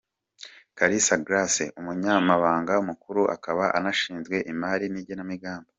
Kalisa Grace: Umunyamabanga mukuru akaba anashinzwe imari n’igenamigambi.